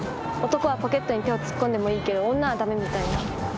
男はポケットに手を突っ込んでもいいけど女は駄目みたいな。